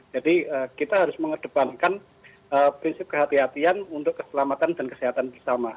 jadi kita harus mengedepankan prinsip kehatian untuk keselamatan dan kesehatan bersama